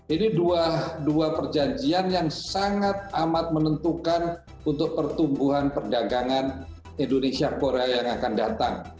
ini dua perjanjian yang sangat amat menentukan untuk pertumbuhan perdagangan indonesia korea yang akan datang